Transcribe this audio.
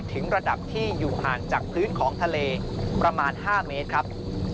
ถึงระดับที่อยู่ห่างจากพื้นของทะเลประมาณ๕เมตรครับ